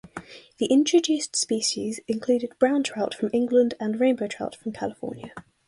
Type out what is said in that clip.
The introduced species included brown trout from England and rainbow trout from California.